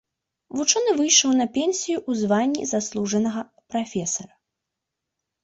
Вучоны выйшаў на пенсію ў званні заслужанага прафесара.